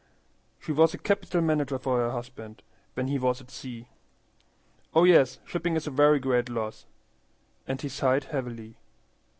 She was a capital manager for her husband when he was at sea. Oh yes, shipping is a very great loss." And he sighed heavily.